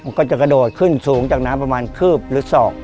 มันก็จะกระโดดขึ้นสูงจากน้ำประมาณคืบหรือศอก